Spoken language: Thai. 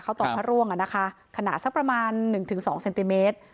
ต่อพระร่วงอ่ะนะคะขนาดสักประมาณหนึ่งถึงสองเซนติเมตร